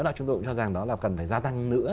là chúng tôi cũng cho rằng là cần phải gia tăng nữa